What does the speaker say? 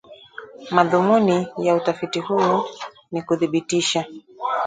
Madhumuni ya utafiti huu ni kudhibitisha